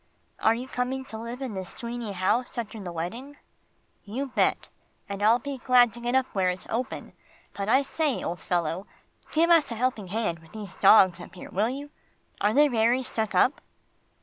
"Are you coming to live in this Sweeney house after the wedding?" "You bet, and I'll be glad to get up where it's open, but I say, old fellow, give us a helping hand with these dogs up here, will you? Are they very stuck up?"